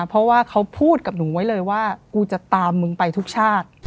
เพราะว่าเขาพูดกับหนูไว้เลยว่ากูจะตามมึงไปทุกชาติ